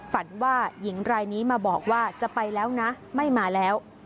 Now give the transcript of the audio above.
ฝันว่าหญิงรายนี้มาบอกว่าจะไปแล้วนะไม่มาแล้ว